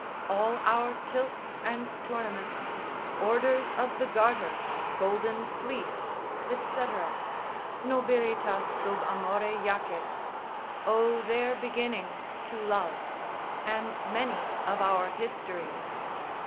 All our tilts and tournaments, orders of the garter, golden fleece, &c.—Nobilitas sub amore jacet—owe their beginnings to love, and many of our histories.